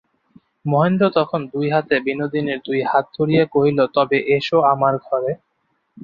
মহেন্দ্র তখন দুই হাতে বিনোদিনীর দুই হাত ধরিয়া কহিল, তবে এসো আমার ঘরে।